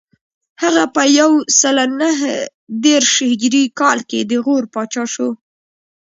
هغه په یو سل نهه دېرش هجري کال کې د غور پاچا شو